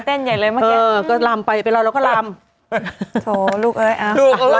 เต้นเย็นใหญ่เลยเมื่อกี้เออก็ลำไปเวลาเราก็ลำโถลูกเอ้ยอ่ะลูกเอ้ย